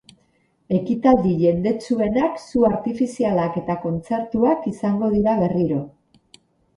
Ekitaldi jendetsuenak su artifizialak eta kontzertuak izango dira berriro.